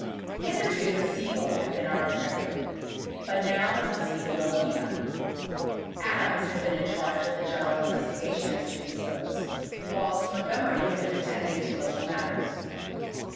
Hitherto the Seagull had been our objective; but now it must be the Wilhelmina. Adams had been in charge of the general investigation as to these boats, whilst Montgomery had been attending to local matters.